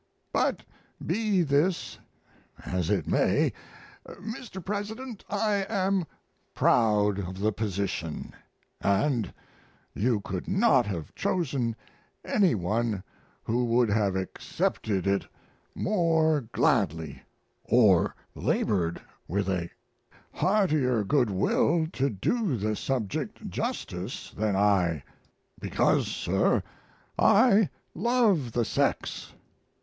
But, be this as it may, Mr. President, I am proud of the position, and you could not have chosen any one who would have accepted it more gladly, or labored with a heartier good will to do the subject justice, than I. Because, Sir, I love the sex.